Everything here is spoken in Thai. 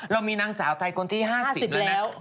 เรามีนางสาวไทยคนที่๕๐แล้วนะ